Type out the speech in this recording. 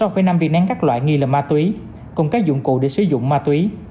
ba năm viên nén các loại nghi là ma túy cùng các dụng cụ để sử dụng ma túy